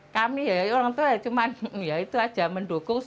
kami ya orang tua cuma ya itu aja mendukung